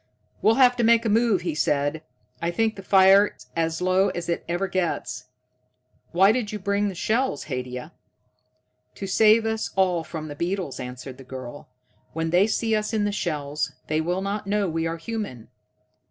"We'll have to make a move," he said. "I think the fire's as low as it ever gets. Why did you bring the shells, Haidia?" "To save us all from the beetles," answered the girl. "When they see us in the shells, they will not know we are human.